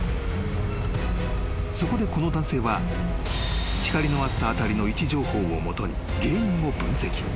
［そこでこの男性は光のあった辺りの位置情報を基に原因を分析］